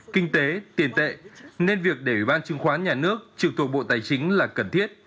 kinh tế tiền tệ nên việc để ủy ban chứng khoán nhà nước trực thuộc bộ tài chính là cần thiết